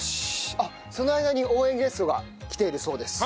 あっその間に応援ゲストが来ているそうです。